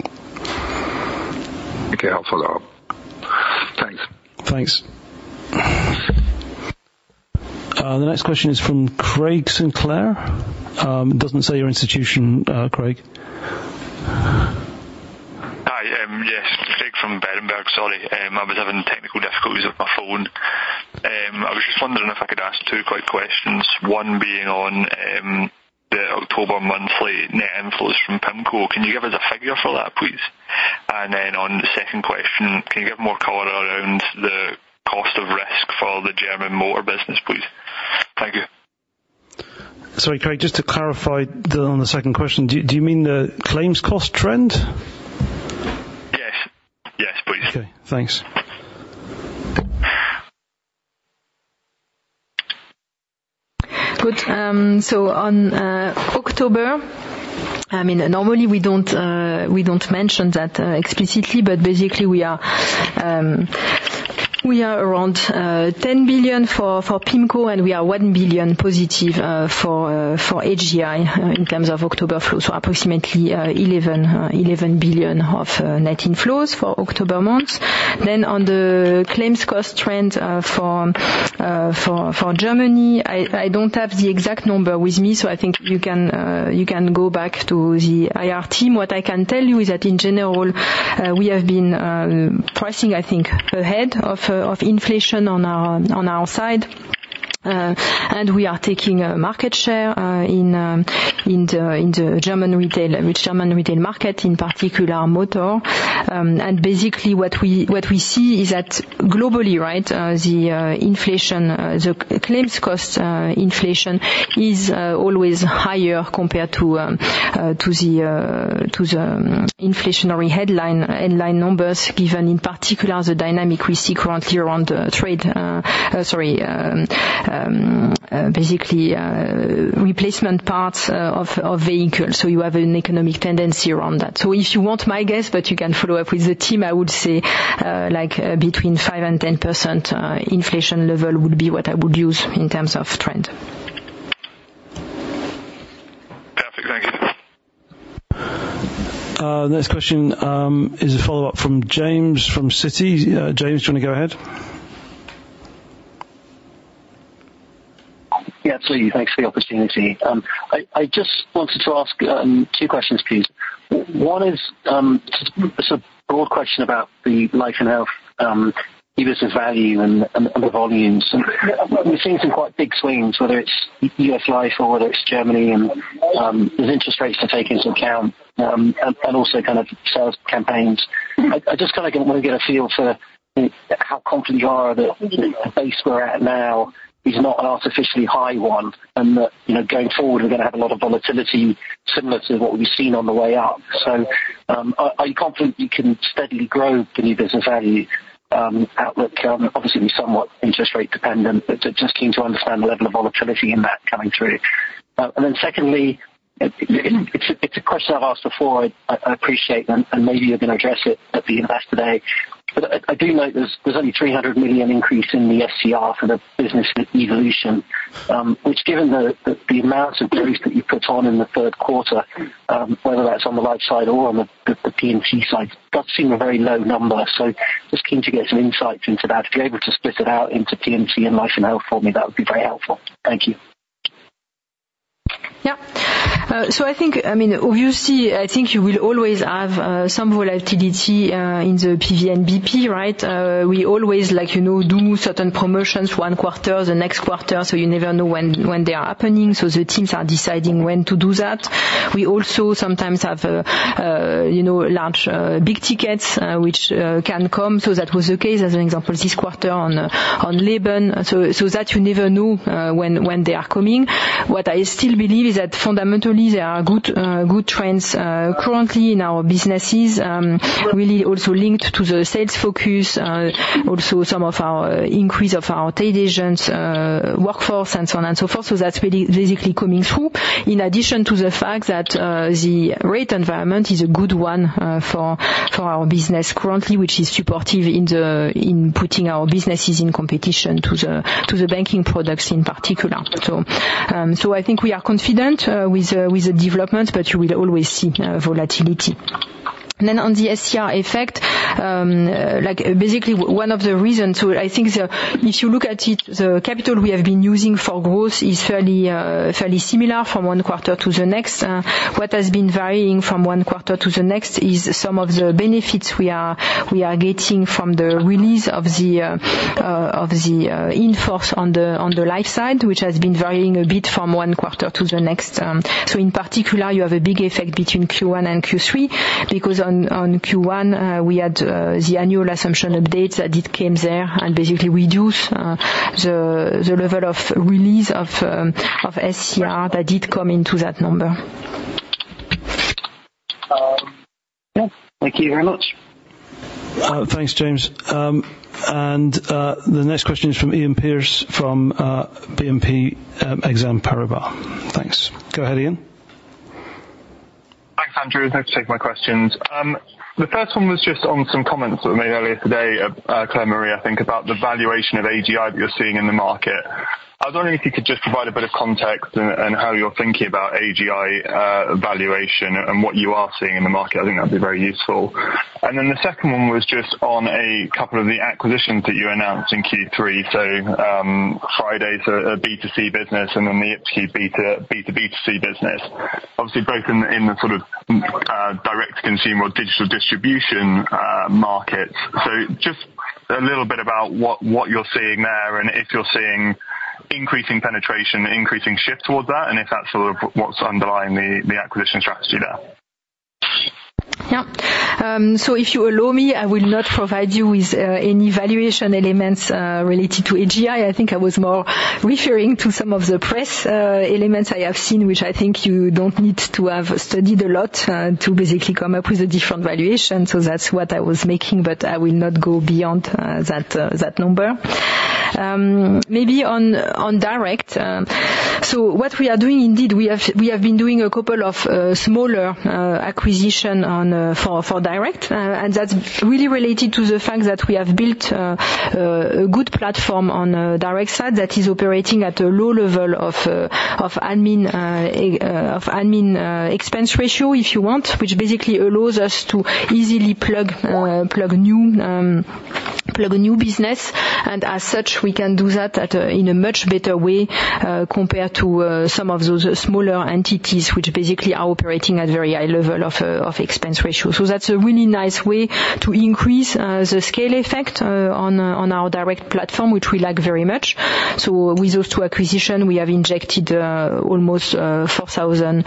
S10: Okay. I'll follow up. Thanks.
S1: Thanks. The next question is from Craig Sinclair. It doesn't say your institution, Craig.
S11: Hi. Yes. Craig from Berenberg. Sorry. I was having technical difficulties with my phone. I was just wondering if I could ask two quick questions. One being on the October monthly net inflows from PIMCO. Can you give us a figure for that, please? And then on the second question, can you give more color around the cost of risk for the German motor business, please? Thank you.
S1: Sorry, Craig. Just to clarify on the second question, do you mean the claims cost trend?
S11: Yes. Yes, please.
S1: Okay. Thanks.
S2: Good. So on October, I mean, normally we don't mention that explicitly, but basically we are around 10 billion for PIMCO, and we are 1+ billion for AGI in terms of October flows. So approximately 11 billion of net inflows for October months. Then on the claims cost trend for Germany, I don't have the exact number with me, so I think you can go back to the IR team. What I can tell you is that in general, we have been pricing, I think, ahead of inflation on our side, and we are taking a market share in the German retail, which German retail market, in particular motor. And basically what we see is that globally, right, the inflation, the claims cost inflation is always higher compared to the inflationary headline numbers given, in particular, the dynamic we see currently around the trade, sorry, basically replacement parts of vehicles. So you have an economic tendency around that. So if you want my guess, but you can follow up with the team, I would say between 5% and 10% inflation level would be what I would use in terms of trend.
S11: Perfect. Thank you.
S1: The next question is a follow-up from James from Citi. James, do you want to go ahead?
S4: Yes, please. Thanks for the opportunity. I just wanted to ask two questions, please. One is just a broad question about the life and health, even as a value and the volumes. We're seeing some quite big swings, whether it's U.S. life or whether it's Germany, and the interest rates are taken into account, and also kind of sales campaigns. I just kind of want to get a feel for how confident you are that the base we're at now is not an artificially high one and that going forward we're going to have a lot of volatility similar to what we've seen on the way up. So are you confident you can steadily grow the new business value outlook? Obviously, we're somewhat interest rate dependent, but just keen to understand the level of volatility in that coming through. And then secondly, it's a question I've asked before. I appreciate it, and maybe you're going to address it at the Investor Day. But I do note there's only 300 million increase in the SCR for the business evolution, which given the amounts of growth that you put on in the third quarter, whether that's on the life side or on the P&C side, that's seen a very low number. So just keen to get some insights into that. If you're able to split it out into P&C and life and health for me, that would be very helpful. Thank you.
S2: Yeah. So I think, I mean, obviously, I think you will always have some volatility in the PVNBP, right? We always do certain promotions one quarter, the next quarter, so you never know when they are happening, so the teams are deciding when to do that. We also sometimes have large big tickets which can come, so that was the case as an example this quarter on Leben, so that you never know when they are coming. What I still believe is that fundamentally there are good trends currently in our businesses, really also linked to the sales focus, also some of our increase of our tied agents' workforce and so on and so forth, so that's basically coming through, in addition to the fact that the rate environment is a good one for our business currently, which is supportive in putting our businesses in competition to the banking products in particular, so I think we are confident with the development, but you will always see volatility. And then on the SCR effect, basically one of the reasons, so I think if you look at it, the capital we have been using for growth is fairly similar from one quarter to the next. What has been varying from one quarter to the next is some of the benefits we are getting from the release of the inflows on the life side, which has been varying a bit from one quarter to the next. So in particular, you have a big effect between Q1 and Q3 because on Q1, we had the annual assumption updates that it came there, and basically we reduced the level of release of SCR that did come into that number.
S4: Thank you very much.
S1: Thanks, James. And the next question is from Iain Pearce from BNP Paribas Exane. Thanks. Go ahead, Iain.
S12: Thanks, Andrew. Thanks for taking my questions. The first one was just on some comments that were made earlier today by Claire-Marie, I think, about the valuation of AGI that you're seeing in the market. I was wondering if you could just provide a bit of context and how you're thinking about AGI valuation and what you are seeing in the market. I think that'd be very useful. And then the second one was just on a couple of the acquisitions that you announced in Q3. So FRIDAY's a B2C business, and then the iptiQ B2B2C business, obviously both in the sort of direct-to-consumer or digital distribution markets. So just a little bit about what you're seeing there and if you're seeing increasing penetration, increasing shift towards that, and if that's sort of what's underlying the acquisition strategy there.
S2: Yeah. So if you allow me, I will not provide you with any valuation elements related to AGI. I think I was more referring to some of the press elements I have seen, which I think you don't need to have studied a lot to basically come up with a different valuation. So that's what I was making, but I will not go beyond that number. Maybe on direct. So what we are doing indeed, we have been doing a couple of smaller acquisitions for direct, and that's really related to the fact that we have built a good platform on the direct side that is operating at a low level of admin expense ratio, if you want, which basically allows us to easily plug new business. And as such, we can do that in a much better way compared to some of those smaller entities which basically are operating at a very high level of expense ratio. So that's a really nice way to increase the scale effect on our direct platform, which we like very much. So with those two acquisitions, we have injected almost 4,000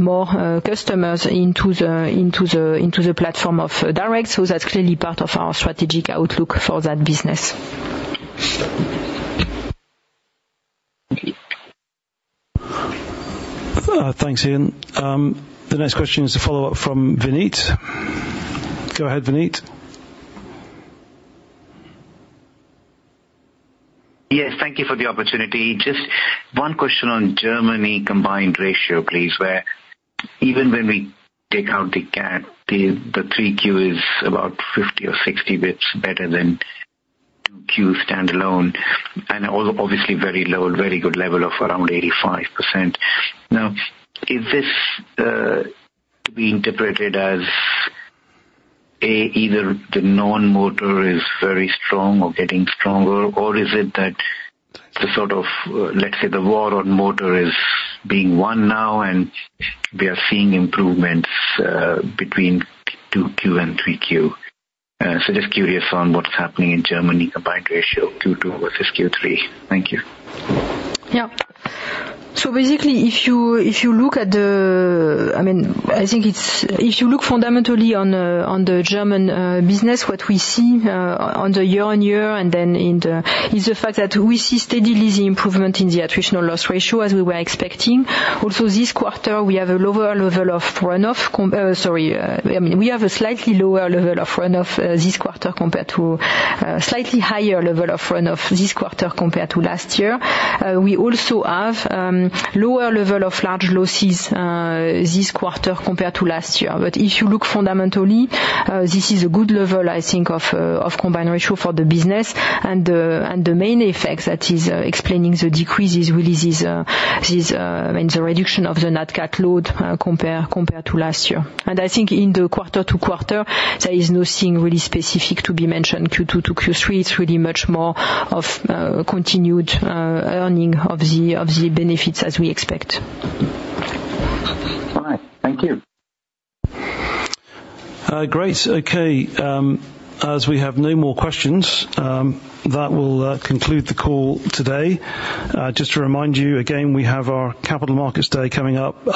S2: more customers into the platform of direct. So that's clearly part of our strategic outlook for that business.
S1: Thanks, Iain. The next question is a follow-up from Vinit. Go ahead, Vinit.
S6: Yes. Thank you for the opportunity. Just one question on Germany combined ratio, please, where even when we take out the Cat, the 3Q is about 50 or 60 basis points better than 2Q standalone, and obviously very low, very good level of around 85%. Now, is this to be interpreted as either the non-motor is very strong or getting stronger, or is it that the sort of, let's say, the war on motor is being won now, and we are seeing improvements between 2Q and 3Q? So just curious on what's happening in Germany combined ratio, Q2 versus Q3. Thank you.
S2: Yeah. So basically, if you look at the, I mean, I think it's, if you look fundamentally on the German business, what we see on the year-on-year and then in the, is the fact that we see steadily the improvement in the attritional loss ratio as we were expecting. Also, this quarter, we have a lower level of runoff. Sorry. I mean, we have a slightly lower level of runoff this quarter compared to a slightly higher level of runoff this quarter compared to last year. We also have a lower level of large losses this quarter compared to last year. But if you look fundamentally, this is a good level, I think, of combined ratio for the business. And the main effect that is explaining the decrease is really the reduction of the net Cat load compared to last year. And I think in the quarter to quarter, there is nothing really specific to be mentioned, Q2 to Q3. It's really much more of continued earning of the benefits as we expect.
S6: All right. Thank you.
S1: Great. Okay. As we have no more questions, that will conclude the call today. Just to remind you again, we have our Capital Markets Day coming up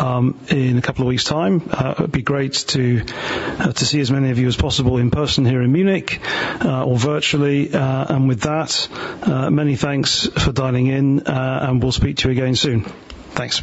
S1: in a couple of weeks' time. It'd be great to see as many of you as possible in person here in Munich or virtually. With that, many thanks for dialing in, and we'll speak to you again soon. Thanks.